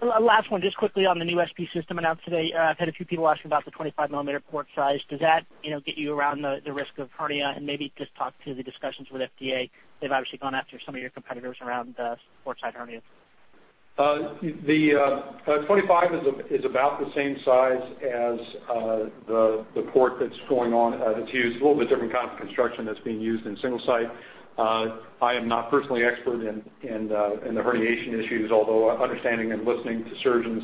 Speaker 7: Last one, just quickly on the new SP system announced today. I've had a few people ask about the 25-millimeter port size. Does that get you around the risk of hernia? Maybe just talk to the discussions with FDA. They've obviously gone after some of your competitors around port-site hernia.
Speaker 3: The 25 is about the same size as the port that is going on. It is used a little bit different kind of construction that is being used in Single-Site. I am not personally expert in the herniation issues, although understanding and listening to surgeons,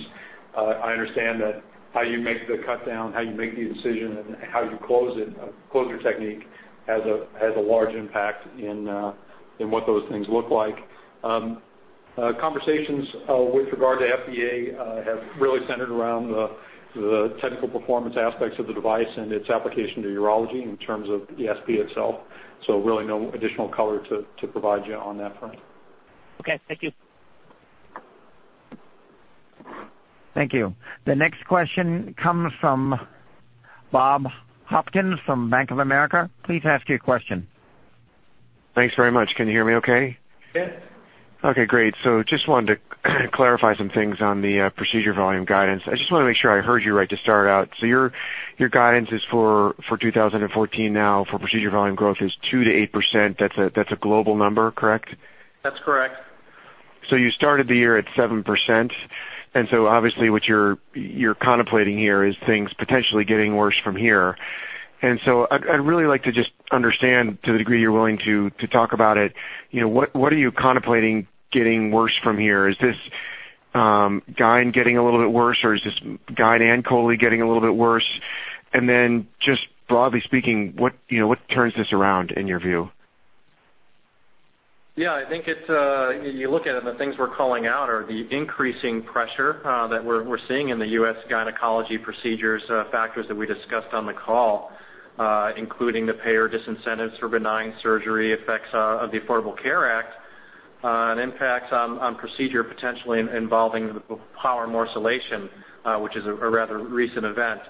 Speaker 3: I understand that how you make the cut down, how you make the incision, and how you close it, closure technique, has a large impact in what those things look like. Conversations with regard to FDA have really centered around the technical performance aspects of the device and its application to urology in terms of the SP itself, really no additional color to provide you on that front. Okay, thank you.
Speaker 1: Thank you. The next question comes from Bob Hopkins from Bank of America. Please ask your question.
Speaker 8: Thanks very much. Can you hear me okay?
Speaker 3: Yes.
Speaker 8: Okay, great. Just wanted to clarify some things on the procedure volume guidance. I just want to make sure I heard you right to start out. Your guidance is for 2014 now for procedure volume growth is 2%-8%. That is a global number, correct?
Speaker 3: That's correct.
Speaker 8: You started the year at 7%, and so obviously what you're contemplating here is things potentially getting worse from here. I'd really like to just understand, to the degree you're willing to talk about it, what are you contemplating getting worse from here? Is this GYN getting a little bit worse, or is this GYN and chole getting a little bit worse? Just broadly speaking, what turns this around in your view?
Speaker 3: I think you look at it, the things we're calling out are the increasing pressure that we're seeing in the U.S. gynecology procedures, factors that we discussed on the call, including the payer disincentives for benign surgery, effects of the Affordable Care Act, and impacts on procedure potentially involving the power morcellation, which is a rather recent event.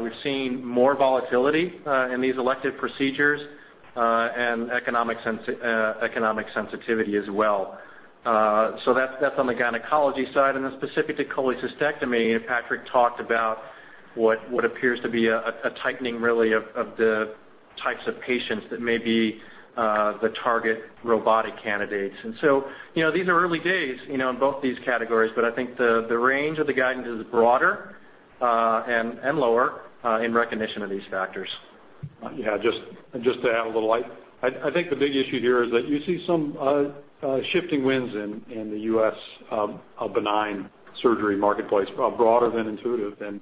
Speaker 3: We've seen more volatility in these elective procedures, and economic sensitivity as well. That's on the gynecology side. Then specific to cholecystectomy, Patrick talked about what appears to be a tightening, really, of the types of patients that may be the target robotic candidates. These are early days in both these categories, but I think the range of the guidance is broader and lower in recognition of these factors. Just to add a little light. I think the big issue here is that you see some shifting winds in the U.S. benign surgery marketplace, broader than Intuitive and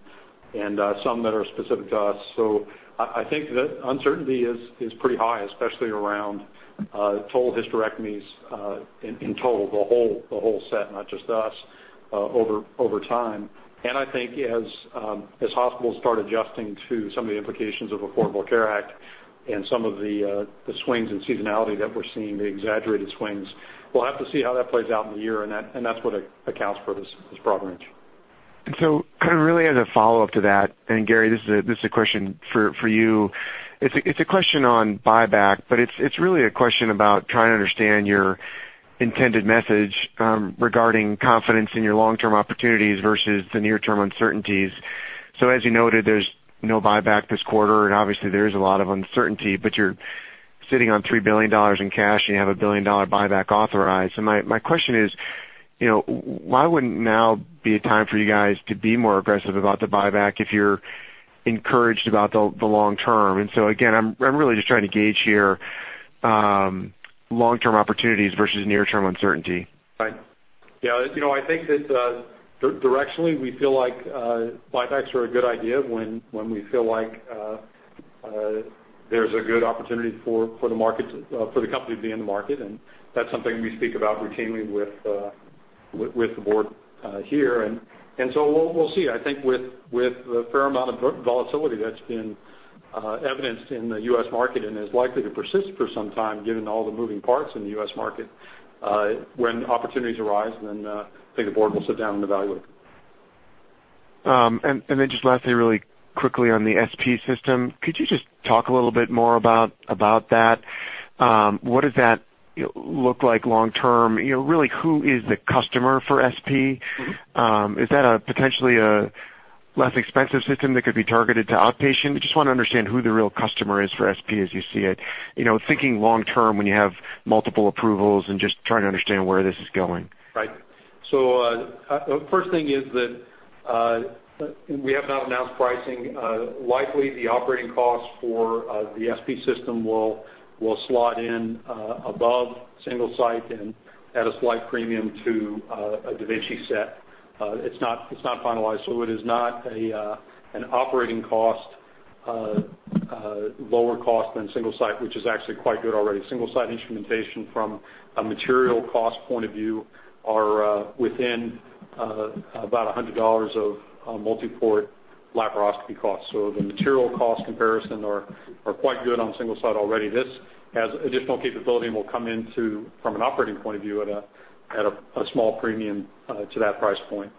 Speaker 3: some that are specific to us. I think the uncertainty is pretty high, especially around total hysterectomies in total, the whole set, not just us, over time. I think as hospitals start adjusting to some of the implications of Affordable Care Act and some of the swings in seasonality that we're seeing, the exaggerated swings, we'll have to see how that plays out in the year, and that's what accounts for this broad range.
Speaker 8: kind of really as a follow-up to that, Gary, this is a question for you. It's a question on buyback, but it's really a question about trying to understand your intended message regarding confidence in your long-term opportunities versus the near-term uncertainties. As you noted, there's no buyback this quarter, and obviously, there is a lot of uncertainty, but you're sitting on $3 billion in cash, and you have a $1 billion buyback authorized. My question is, why wouldn't now be a time for you guys to be more aggressive about the buyback if you're encouraged about the long term? Again, I'm really just trying to gauge here long-term opportunities versus near-term uncertainty.
Speaker 3: Right. Yeah, I think that directionally, we feel like buybacks are a good idea when we feel like there's a good opportunity for the company to be in the market. That's something we speak about routinely with the board here. We'll see. I think with the fair amount of volatility that's been evidenced in the U.S. market and is likely to persist for some time given all the moving parts in the U.S. market, when opportunities arise, then I think the board will sit down and evaluate.
Speaker 8: Just lastly, really quickly on the SP system, could you just talk a little bit more about that? What does that look like long term? Really, who is the customer for SP? Is that potentially a less expensive system that could be targeted to outpatient? I just want to understand who the real customer is for SP as you see it, thinking long term when you have multiple approvals and just trying to understand where this is going.
Speaker 3: Right. First thing is that we have not announced pricing. Likely, the operating cost for the da Vinci SP system will slot in above Single-Site and at a slight premium to a da Vinci set. It's not finalized. It is not an operating lower cost than Single-Site, which is actually quite good already. Single-Site instrumentation from a material cost point of view are within about $100 of multi-port laparoscopy cost. The material cost comparison are quite good on Single-Site already. This has additional capability and will come into, from an operating point of view, at a small premium to that price point.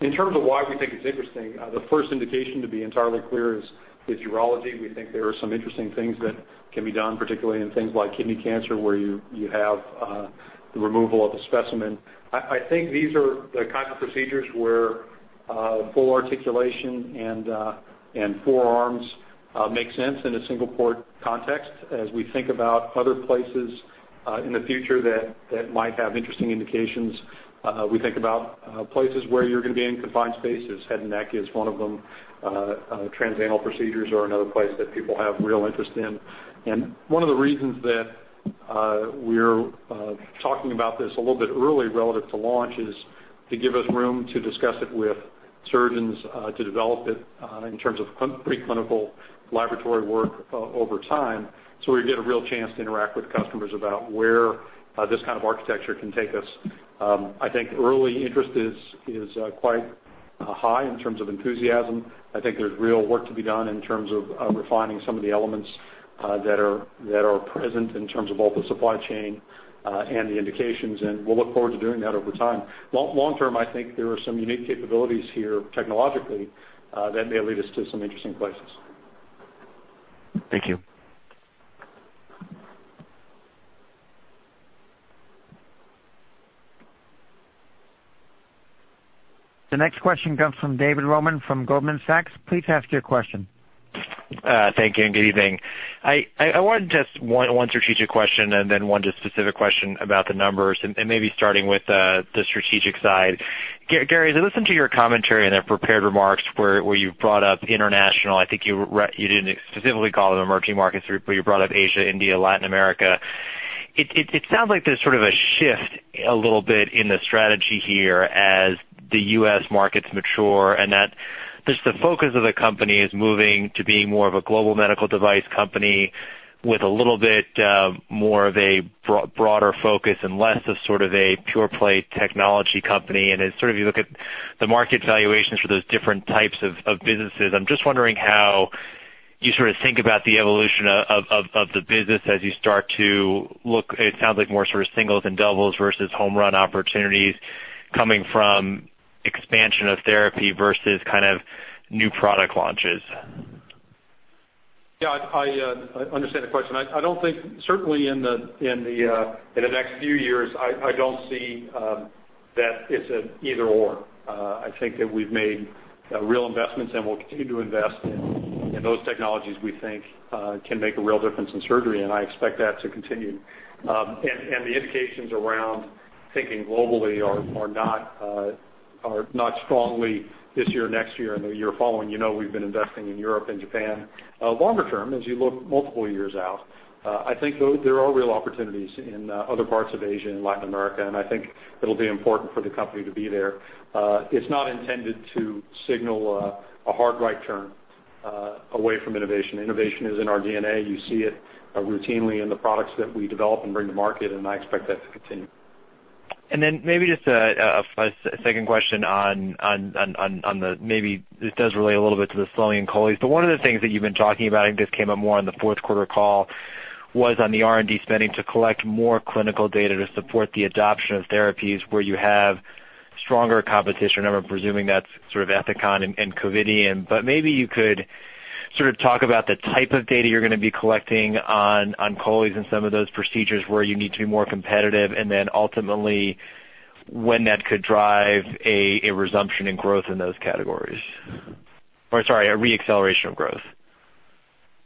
Speaker 3: In terms of why we think it's interesting, the first indication to be entirely clear is urology. We think there are some interesting things that can be done, particularly in things like kidney cancer, where you have the removal of a specimen. I think these are the kind of procedures where full articulation and forearms make sense in a single-port context. We think about other places in the future that might have interesting indications. We think about places where you're going to be in confined spaces. Head and neck is one of them. Transanal procedures are another place that people have real interest in. One of the reasons that we're talking about this a little bit early relative to launch is to give us room to discuss it with surgeons, to develop it in terms of preclinical laboratory work over time, so we get a real chance to interact with customers about where this kind of architecture can take us. I think early interest is quite high in terms of enthusiasm. I think there's real work to be done in terms of refining some of the elements that are present in terms of both the supply chain and the indications. We'll look forward to doing that over time. Long term, I think there are some unique capabilities here technologically that may lead us to some interesting places.
Speaker 8: Thank you.
Speaker 1: The next question comes from David Roman of Goldman Sachs. Please ask your question.
Speaker 9: Thank you, good evening. I wanted just one strategic question and then one just specific question about the numbers, maybe starting with the strategic side. Gary, as I listened to your commentary and the prepared remarks where you brought up international, I think you didn't specifically call it emerging markets, but you brought up Asia, India, Latin America. It sounds like there's sort of a shift a little bit in the strategy here as the U.S. markets mature, that just the focus of the company is moving to being more of a global medical device company with a little bit more of a broader focus and less of sort of a pure-play technology company. As you look at the market valuations for those different types of businesses, I'm just wondering how you sort of think about the evolution of the business as you start to look, it sounds like, more sort of singles and doubles versus home run opportunities coming from expansion of therapy versus kind of new product launches.
Speaker 3: Yeah, I understand the question. I don't think, certainly in the next few years, I don't see that it's an either/or. I think that we've made real investments and we'll continue to invest in those technologies we think can make a real difference in surgery, and I expect that to continue. The indications around thinking globally are not strongly this year, next year, and the year following. You know we've been investing in Europe and Japan. Longer term, as you look multiple years out, I think there are real opportunities in other parts of Asia and Latin America, and I think it'll be important for the company to be there. It's not intended to signal a hard right turn away from innovation. Innovation is in our DNA. You see it routinely in the products that we develop and bring to market, and I expect that to continue.
Speaker 9: Maybe just a second question on the, maybe this does relate a little bit to the slowing in colies, one of the things that you've been talking about, I think this came up more on the fourth quarter call, was on the R&D spending to collect more clinical data to support the adoption of therapies where you have stronger competition. I'm presuming that's sort of Ethicon and Covidien. Maybe you could sort of talk about the type of data you're going to be collecting on colies and some of those procedures where you need to be more competitive, then ultimately when that could drive a resumption in growth in those categories. Sorry, a re-acceleration of growth.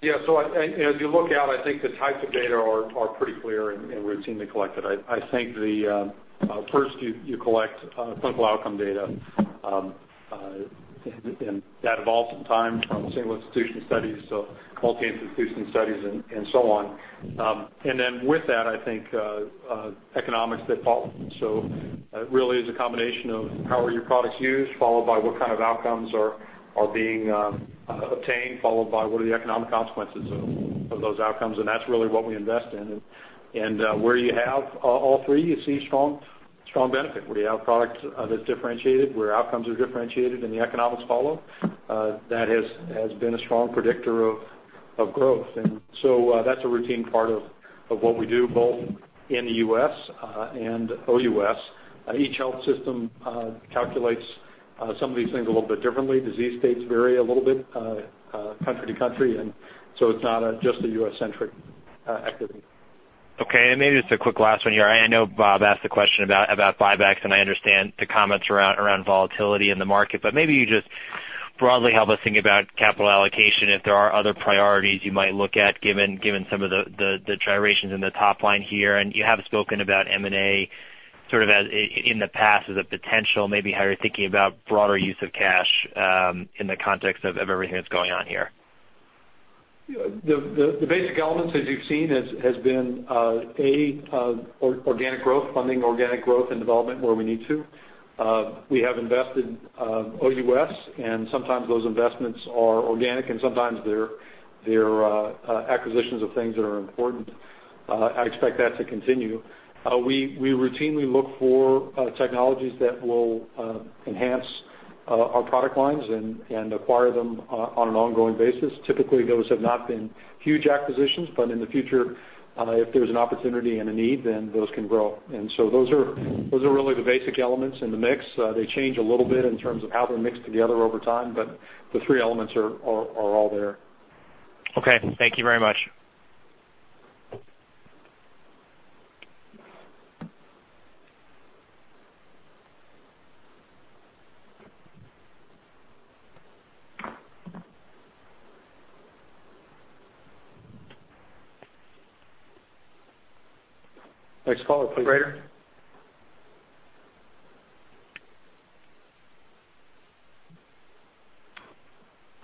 Speaker 3: Yeah. As you look out, I think the types of data are pretty clear and routinely collected. I think first you collect clinical outcome data, that evolves some time from single institution studies to multi-institution studies and so on. With that, I think economics that follow. It really is a combination of how are your products used, followed by what kind of outcomes are being obtained, followed by what are the economic consequences of those outcomes, that's really what we invest in. Where you have all three, you see strong benefit. Where you have product that's differentiated, where outcomes are differentiated, the economics follow, that has been a strong predictor of growth. That's a routine part of what we do, both in the U.S. and OUS. Each health system calculates some of these things a little bit differently. Disease states vary a little bit country to country, it's not just a U.S.-centric activity.
Speaker 9: Okay, maybe just a quick last one here. I know Bob asked a question about buybacks, I understand the comments around volatility in the market, maybe you just broadly help us think about capital allocation, if there are other priorities you might look at given some of the gyrations in the top line here. You have spoken about M&A sort of in the past as a potential, maybe how you're thinking about broader use of cash in the context of everything that's going on here.
Speaker 3: The basic elements, as you've seen, has been, A, organic growth, funding organic growth and development where we need to. We have invested OUS, and sometimes those investments are organic and sometimes they're acquisitions of things that are important. I expect that to continue. We routinely look for technologies that will enhance our product lines and acquire them on an ongoing basis. Typically, those have not been huge acquisitions, but in the future, if there's an opportunity and a need, then those can grow. Those are really the basic elements in the mix. They change a little bit in terms of how they're mixed together over time, but the three elements are all there.
Speaker 9: Okay. Thank you very much.
Speaker 3: Next caller, please.
Speaker 1: Operator?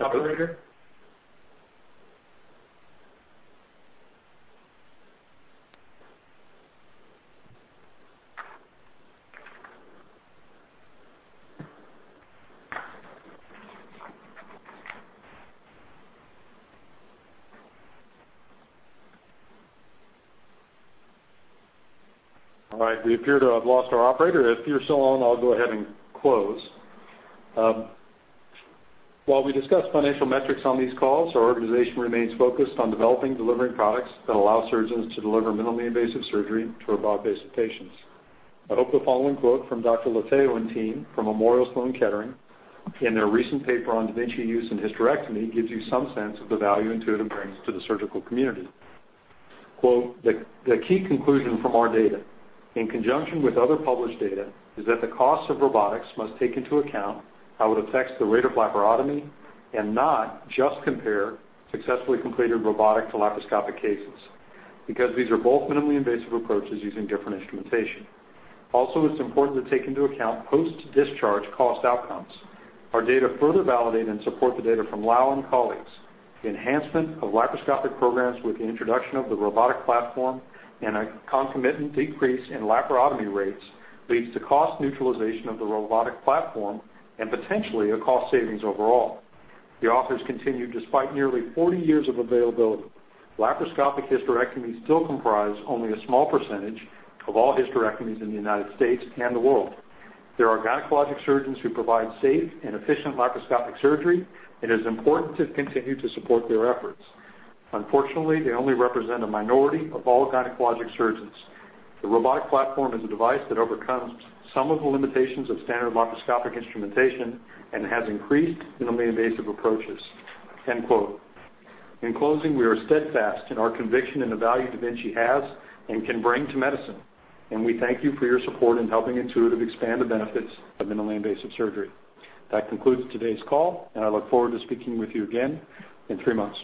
Speaker 3: All right. We appear to have lost our operator. If you're still on, I'll go ahead and close. While we discuss financial metrics on these calls, our organization remains focused on developing and delivering products that allow surgeons to deliver minimally invasive surgery to robotic-based patients. I hope the following quote from Dr. Leitao and team from Memorial Sloan Kettering, in their recent paper on da Vinci use in hysterectomy, gives you some sense of the value Intuitive brings to the surgical community. Quote, "The key conclusion from our data, in conjunction with other published data, is that the cost of robotics must take into account how it affects the rate of laparotomy and not just compare successfully completed robotic to laparoscopic cases, because these are both minimally invasive approaches using different instrumentation." It's important to take into account post-discharge cost outcomes. Our data further validate and support the data from Lau and colleagues. The enhancement of laparoscopic programs with the introduction of the robotic platform and a concomitant decrease in laparotomy rates leads to cost neutralization of the robotic platform and potentially a cost savings overall. The authors continue, "Despite nearly 40 years of availability, laparoscopic hysterectomies still comprise only a small percentage of all hysterectomies in the U.S. and the world. There are gynecologic surgeons who provide safe and efficient laparoscopic surgery. It is important to continue to support their efforts. Unfortunately, they only represent a minority of all gynecologic surgeons. The robotic platform is a device that overcomes some of the limitations of standard laparoscopic instrumentation and has increased minimally invasive approaches. In closing, we are steadfast in our conviction in the value da Vinci has and can bring to medicine, and we thank you for your support in helping Intuitive expand the benefits of minimally invasive surgery. That concludes today's call, and I look forward to speaking with you again in three months.